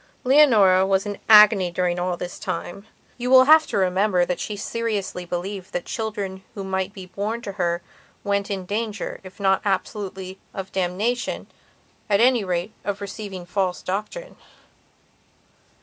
Leonora was in an agony during all this time. You will have to remember she seriously believed that children who might be born to her went in danger, if not absolutely of damnation, at any rate of receiving false doctrine.